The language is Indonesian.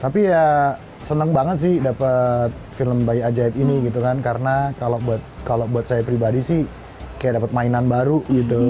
tapi ya seneng banget sih dapet film bayi ajaib ini gitu kan karena kalau buat saya pribadi sih kayak dapat mainan baru gitu